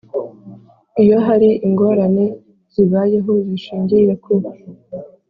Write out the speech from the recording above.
Iyo hari ingorane zibayeho zishingiye ku